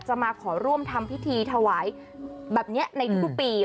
มาขอร่วมทำพิธีถวายแบบนี้ในทุกปี